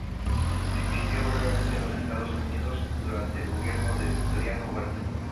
Se exilió brevemente en los Estados Unidos durante el gobierno de Victoriano Huerta.